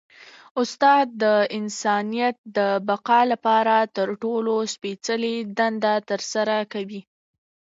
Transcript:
استاد د انسانیت د بقا لپاره تر ټولو سپيڅلي دنده ترسره کوي.